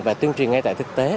và tuyên truyền ngay tại thực tế